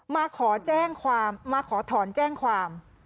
มาขอแจ้งความมาขอถอนแจ้งความ